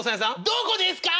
どこですか？